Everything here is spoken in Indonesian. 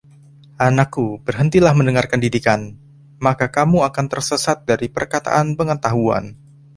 Anakku, berhentilah mendengarkan didikan, maka kamu akan tersesat dari perkataan pengetahuan.